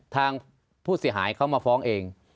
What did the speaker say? ทางผู้เสียหายเขามาฟ้องเอง